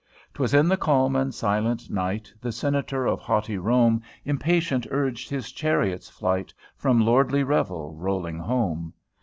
"'Twas in the calm and silent night! The senator of haughty Rome, Impatient urged his chariot's flight, From lordly revel, rolling home.